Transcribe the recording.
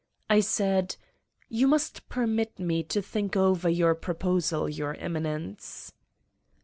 I said: "You must permit me to think over your pro posal, Your Eminence."